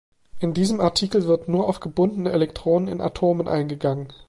In diesem Artikel wird nur auf gebundene Elektronen in Atomen eingegangen.